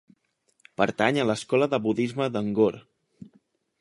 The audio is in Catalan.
Pertany a l"escola de budisme de Ngor.